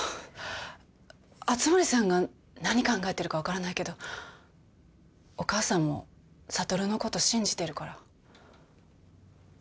熱護さんが何考えてるか分からないけどお母さんも悟のこと信じてるから。